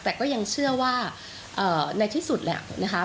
แต่ก็ยังเชื่อว่าในที่สุดแล้วนะคะ